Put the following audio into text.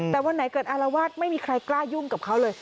แต่วันไหนเกิดอารวาสไม่มีใครกล้ายุ่งกับเขาเลย